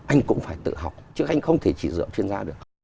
anh cũng phải tự học chứ anh không thể chỉ dựa chuyên gia được